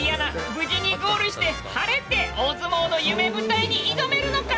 無事にゴールして晴れて大相撲の夢舞台に挑めるのか？